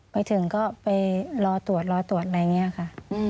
ไปถึงก็ไปรอตรวจรอตรวจอะไรอย่างนี้ค่ะ